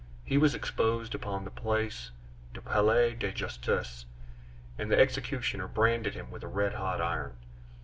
He was exposed upon the Place du Palais de Justice, and the executioner branded him with a red hot iron.